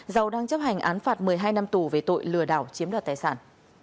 dầu đang chấp hành án phạt một mươi hai năm tù về tội lừa đảo chiếm đoạt tài sản